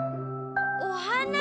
おはな？